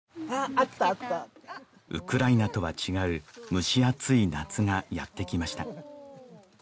あったあったウクライナとは違う蒸し暑い夏がやってきました